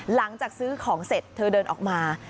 หลังจากซื้อของเสร็จเธอเดินออกมา